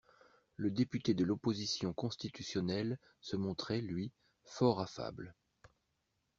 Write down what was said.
Le député de l'opposition constitutionnelle se montrait, lui, fort affable.